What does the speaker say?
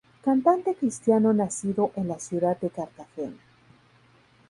Cantante Cristiano Nacido en la Ciudad de Cartagena.